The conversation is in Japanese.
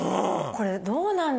これどうなんだろう。